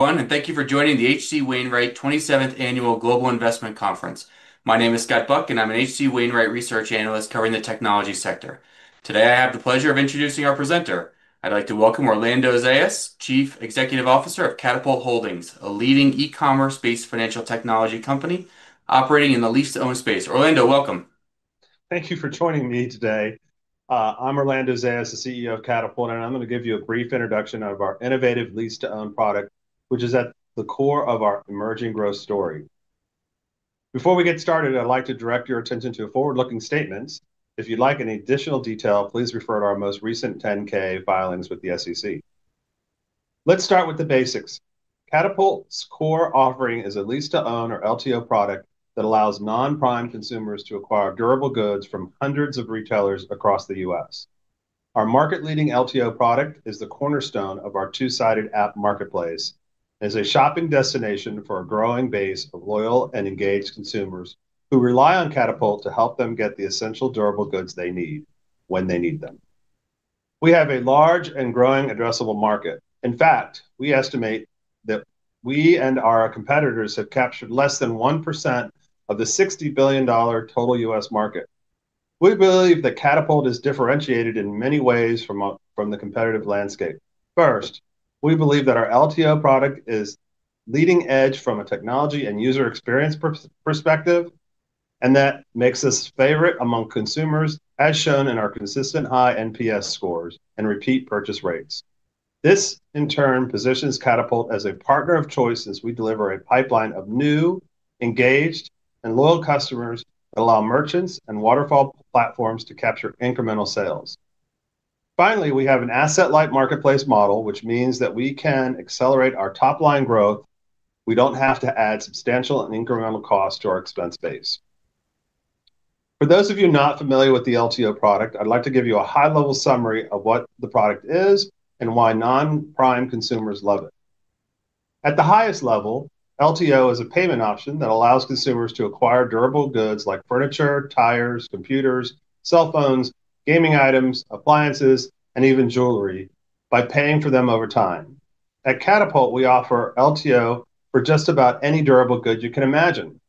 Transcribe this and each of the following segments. Thank you for joining the H.C. Wainwright 27th Annual Global Investment Conference. My name is Scott Buck and I'm an H.C. Wainwright Research Analyst covering the technology sector. Today, I have the pleasure of introducing our presenter. I'd like to welcome Orlando Zayas, Chief Executive Officer of Katapult Holdings, a leading e-commerce-based financial technology company operating in the lease-to-own space. Orlando, welcome. Thank you for joining me today. I'm Orlando Zayas, the CEO of Katapult, and I'm going to give you a brief introduction of our innovative lease-to-own product, which is at the core of our emerging growth story. Before we get started, I'd like to direct your attention to forward-looking statements. If you'd like any additional detail, please refer to our most recent 10-K filings with the SEC. Let's start with the basics. Katapult's core offering is a lease-to-own or LTO product that allows non-prime consumers to acquire durable goods from hundreds of retailers across the U.S. Our market-leading LTO product is the cornerstone of our two-sided app marketplace as a shopping destination for a growing base of loyal and engaged consumers who rely on Katapult to help them get the essential durable goods they need when they need them. We have a large and growing addressable market. In fact, we estimate that we and our competitors have captured less than 1% of the $60 billion total U.S. market. We believe that Katapult is differentiated in many ways from the competitive landscape. First, we believe that our LTO product is leading edge from a technology and user experience perspective, and that makes us a favorite among consumers, as shown in our consistent high NPS scores and repeat purchase rates. This, in turn, positions Katapult as a partner of choice as we deliver a pipeline of new, engaged, and loyal customers that allow merchants and waterfall platforms to capture incremental sales. Finally, we have an asset-light marketplace model, which means that we can accelerate our top-line growth. We don't have to add substantial and incremental costs to our expense base. For those of you not familiar with the LTO product, I'd like to give you a high-level summary of what the product is and why non-prime consumers love it. At the highest level, LTO is a payment option that allows consumers to acquire durable goods like furniture, tires, computers, cell phones, gaming items, appliances, and even jewelry by paying for them over time. At Katapult, we offer LTO for just about any durable good you can imagine.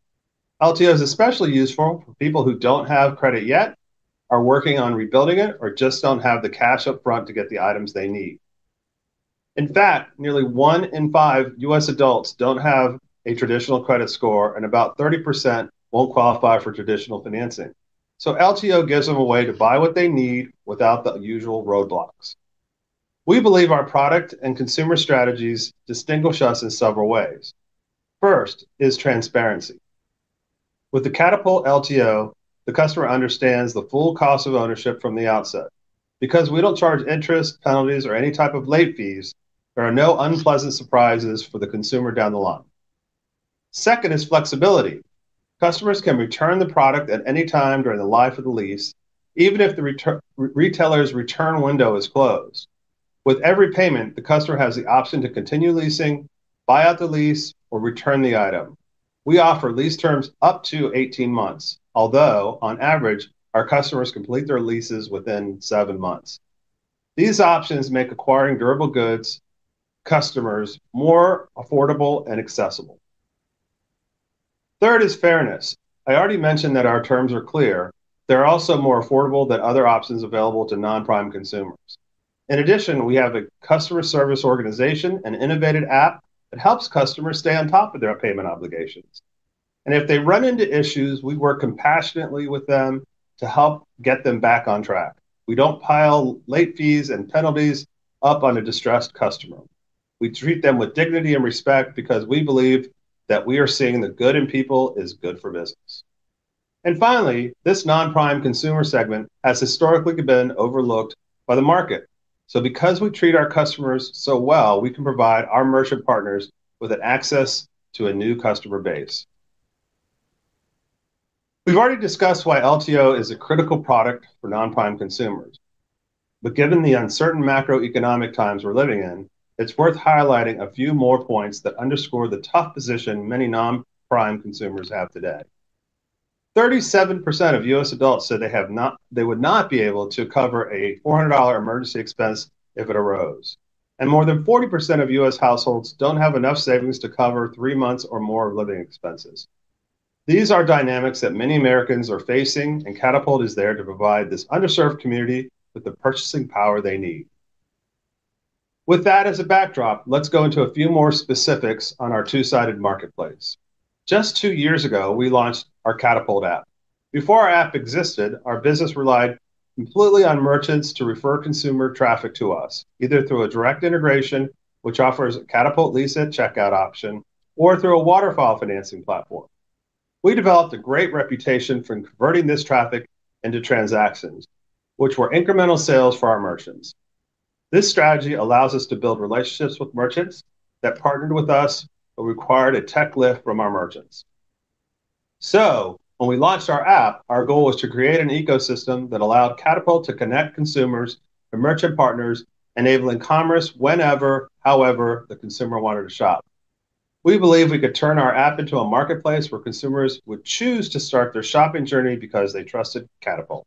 LTO is especially useful for people who don't have credit yet, are working on rebuilding it, or just don't have the cash upfront to get the items they need. In fact, nearly one in five U.S. adults don't have a traditional credit score, and about 30% won't qualify for traditional financing. LTO gives them a way to buy what they need without the usual roadblocks. We believe our product and consumer strategies distinguish us in several ways. First is transparency. With the Katapult LTO, the customer understands the full cost of ownership from the outset. Because we don't charge interest, penalties, or any type of late fees, there are no unpleasant surprises for the consumer down the line. Second is flexibility. Customers can return the product at any time during the life of the lease, even if the retailer's return window is closed. With every payment, the customer has the option to continue leasing, buy out the lease, or return the item. We offer lease terms up to 18 months, although on average, our customers complete their leases within seven months. These options make acquiring durable goods for customers more affordable and accessible. Third is fairness. I already mentioned that our terms are clear. They're also more affordable than other options available to non-prime consumers. In addition, we have a customer service organization, an innovative app that helps customers stay on top of their payment obligations. If they run into issues, we work compassionately with them to help get them back on track. We don't pile late fees and penalties up on a distressed customer. We treat them with dignity and respect because we believe that seeing the good in people is good for business. Finally, this non-prime consumer segment has historically been overlooked by the market. Because we treat our customers so well, we can provide our merchant partners with access to a new customer base. We've already discussed why LTO is a critical product for non-prime consumers. Given the uncertain macroeconomic times we're living in, it's worth highlighting a few more points that underscore the tough position many non-prime consumers have today. 37% of U.S. adults say they would not be able to cover a $400 emergency expense if it arose. More than 40% of U.S. households don't have enough savings to cover three months or more of living expenses. These are dynamics that many Americans are facing, and Katapult is there to provide this underserved community with the purchasing power they need. With that as a backdrop, let's go into a few more specifics on our two-sided marketplace. Just two years ago, we launched our Katapult app. Before our app existed, our business relied completely on merchants to refer consumer traffic to us, either through a direct integration, which offers a Katapult lease at checkout option, or through a waterfall financing platform. We developed a great reputation for converting this traffic into transactions, which were incremental sales for our merchants. This strategy allows us to build relationships with merchants that partnered with us or required a tech lift from our merchants. When we launched our app, our goal was to create an ecosystem that allowed Katapult to connect consumers and merchant partners, enabling commerce whenever, however the consumer wanted to shop. We believe we could turn our app into a marketplace where consumers would choose to start their shopping journey because they trusted Katapult.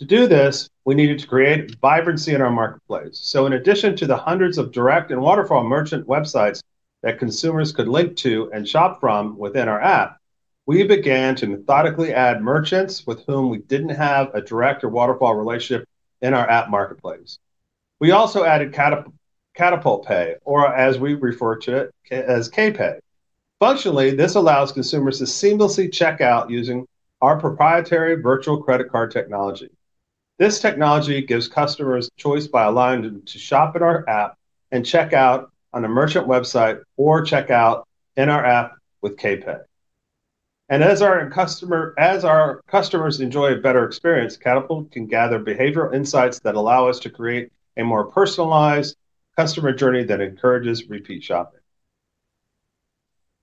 To do this, we needed to create vibrancy in our marketplace. In addition to the hundreds of direct and waterfall merchant websites that consumers could link to and shop from within our app, we began to methodically add merchants with whom we didn't have a direct or waterfall relationship in our app marketplace. We also added Katapult Pay, or as we refer to it as K-Pay. Functionally, this allows consumers to seamlessly check out using our proprietary virtual credit card technology. This technology gives customers choice by allowing them to shop in our app and check out on a merchant website or check out in our app with K-Pay. As our customers enjoy a better experience, Katapult can gather behavioral insights that allow us to create a more personalized customer journey that encourages repeat shopping.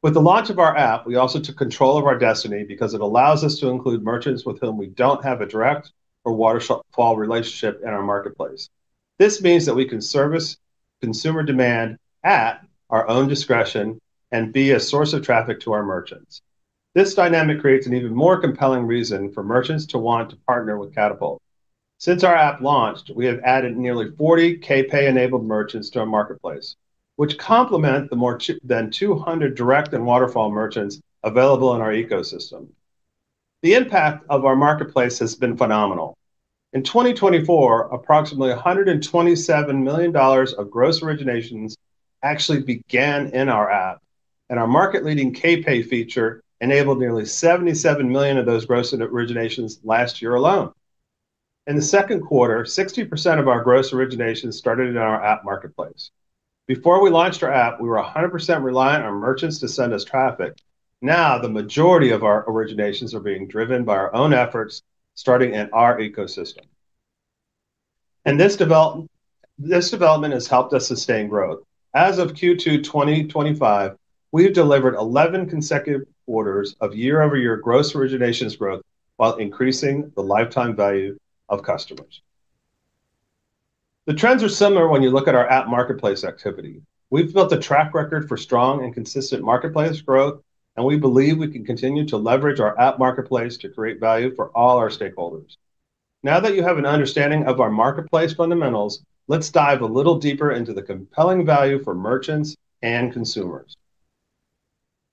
With the launch of our app, we also took control of our destiny because it allows us to include merchants with whom we don't have a direct or waterfall relationship in our marketplace. This means that we can service consumer demand at our own discretion and be a source of traffic to our merchants. This dynamic creates an even more compelling reason for merchants to want to partner with Katapult. Since our app launched, we have added nearly 40 K-Pay-enabled merchants to our marketplace, which complement the more than 200 direct and waterfall merchants available in our ecosystem. The impact of our marketplace has been phenomenal. In 2024, approximately $127 million of gross originations actually began in our app, and our market-leading K-Pay feature enabled nearly $77 million of those gross originations last year alone. In the second quarter, 60% of our gross originations started in our app marketplace. Before we launched our app, we were 100% reliant on merchants to send us traffic. Now, the majority of our originations are being driven by our own efforts starting in our ecosystem. This development has helped us sustain growth. As of Q2 2025, we've delivered 11 consecutive quarters of year-over-year gross originations growth while increasing the lifetime value of customers. The trends are similar when you look at our app marketplace activity. We've built a track record for strong and consistent marketplace growth, and we believe we can continue to leverage our app marketplace to create value for all our stakeholders. Now that you have an understanding of our marketplace fundamentals, let's dive a little deeper into the compelling value for merchants and consumers.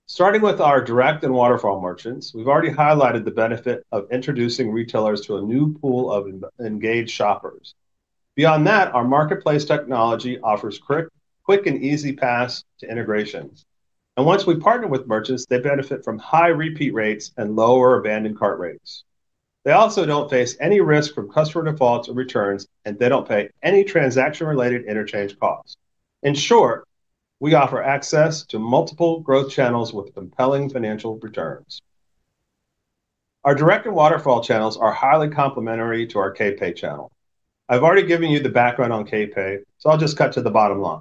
Starting with our direct and waterfall merchants, we've already highlighted the benefit of introducing retailers to a new pool of engaged shoppers. Beyond that, our marketplace technology offers quick and easy paths to integrations. Once we partner with merchants, they benefit from high repeat rates and lower abandoned cart rates. They also don't face any risk from customer defaults or returns, and they don't pay any transaction-related interchange costs. In short, we offer access to multiple growth channels with compelling financial returns. Our direct and waterfall channels are highly complementary to our K-Pay channel. I've already given you the background on K-Pay, so I'll just cut to the bottom line.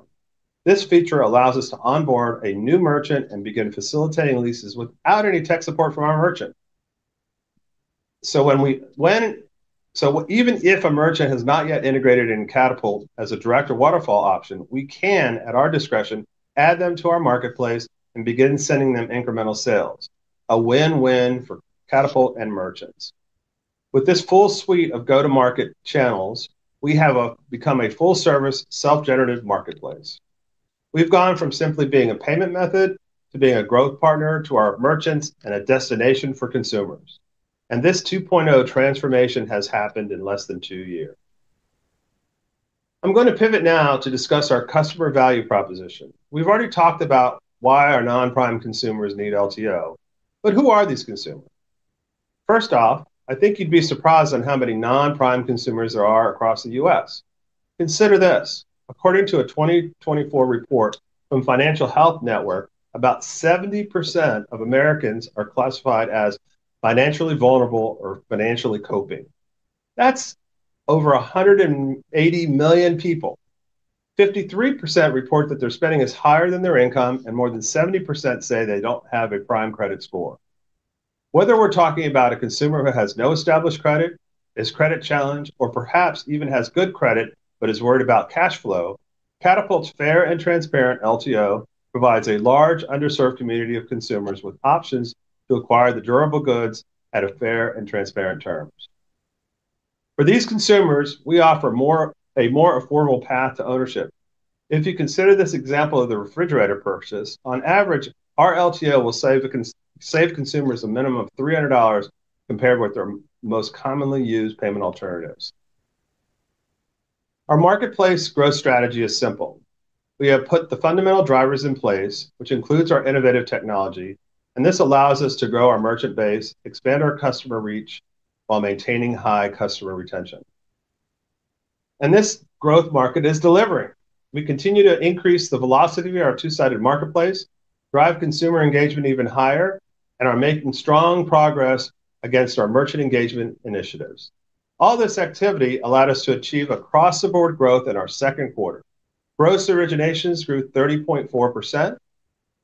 This feature allows us to onboard a new merchant and begin facilitating leases without any tech support from our merchant. Even if a merchant has not yet integrated in Katapult as a direct or waterfall option, we can, at our discretion, add them to our marketplace and begin sending them incremental sales, a win-win for Katapult and merchants. With this full suite of go-to-market channels, we have become a full-service, self-generated marketplace. We've gone from simply being a payment method to being a growth partner to our merchants and a destination for consumers. This 2.0 transformation has happened in less than two years. I'm going to pivot now to discuss our customer value proposition. We've already talked about why our non-prime consumers need LTO, but who are these consumers? First off, I think you'd be surprised on how many non-prime consumers there are across the U.S. Consider this. According to a 2024 report from Financial Health Network, about 70% of Americans are classified as financially vulnerable or financially coping. That's over 180 million people. 53% report that their spending is higher than their income, and more than 70% say they don't have a prime credit score. Whether we're talking about a consumer who has no established credit, is credit challenged, or perhaps even has good credit but is worried about cash flow, Katapult's fair and transparent LTO provides a large underserved community of consumers with options to acquire the durable goods at fair and transparent terms. For these consumers, we offer a more affordable path to ownership. If you consider this example of the refrigerator purchase, on average, our LTO will save consumers a minimum of $300 compared with their most commonly used payment alternatives. Our marketplace growth strategy is simple. We have put the fundamental drivers in place, which includes our innovative technology, and this allows us to grow our merchant base, expand our customer reach, while maintaining high customer retention. This growth market is delivering. We continue to increase the velocity of our two-sided marketplace, drive consumer engagement even higher, and are making strong progress against our merchant engagement initiatives. All this activity allowed us to achieve across-the-board growth in our second quarter. Gross originations grew 30.4%,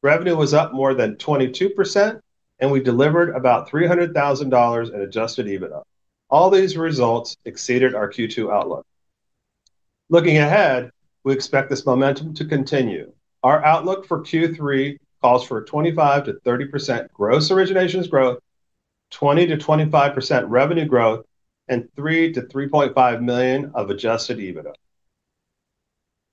revenue was up more than 22%, and we delivered about $300,000 in adjusted EBITDA. All these results exceeded our Q2 outlook. Looking ahead, we expect this momentum to continue. Our outlook for Q3 calls for 25%- 30% gross originations growth, 20%- 25% revenue growth, and $3 million- $3.5 million of adjusted EBITDA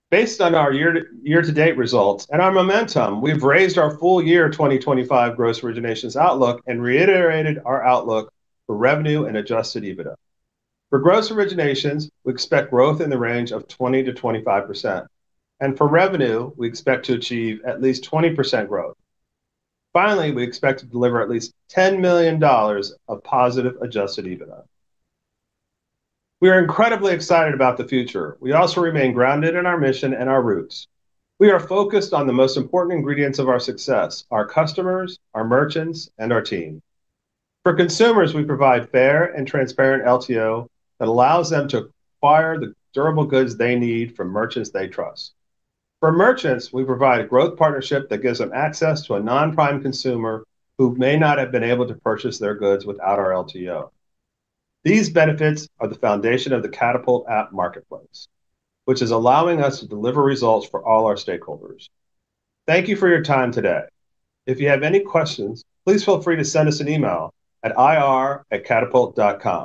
based on our year-to-date results and our momentum. We've raised our full year 2025 gross originations outlook and reiterated our outlook for revenue and adjusted EBITDA. For gross originations, we expect growth in the range of 20%- 25%, and for revenue, we expect to achieve at least 20% growth. Finally, we expect to deliver at least $10 million of positive adjusted EBITDA. We are incredibly excited about the future. We also remain grounded in our mission and our roots. We are focused on the most important ingredients of our success: our customers, our merchants, and our team. For consumers, we provide fair and transparent LTO that allows them to acquire the durable goods they need from merchants they trust. For merchants, we provide a growth partnership that gives them access to a non-prime consumer who may not have been able to purchase their goods without our LTO. These benefits are the foundation of the Katapult app marketplace, which is allowing us to deliver results for all our stakeholders. Thank you for your time today. If you have any questions, please feel free to send us an email at ir@katapult.com.